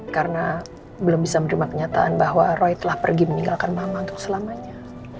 karena belum bisa menerima kenyataan bahwa roy telah pergi meninggalkan mama untuk selamanya